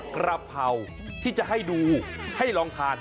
กระเพราที่จะให้ดูให้ลองทาน